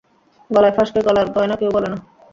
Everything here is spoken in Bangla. গলার ফাঁসকে গলার গয়না কেউ বলে না।